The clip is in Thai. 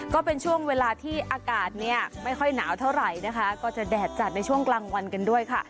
ก็เป็นช่วงเวลาที่อากาศเนี่ยไม่ค่อยหนาวเท่าไหร่นะคะก็จะแดดจัดในช่วงกลางวันกันด้วยค่ะ